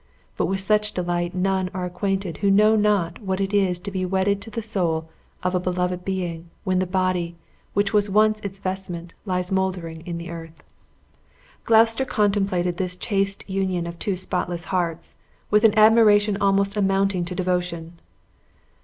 But with such delight none are acquainted who know not what it is to be wedded to the soul of a beloved being, when the body which was once its vestment lies moldering in the earth. Gloucester contemplated this chaste union of two spotless hearts, with an admiration almost amounting to devotion.